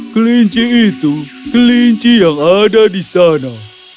kelinci itu kelinci yang ada di sana